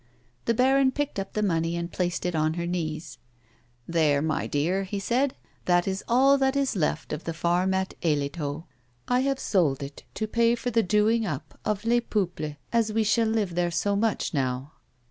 The baron picked up the money and placed it on her knees. " There, my dear," he said. " That is all that is left of the farm at ]j]letot. I have sold it to pay for the doing up of Les Peuples as we shall live there so much now."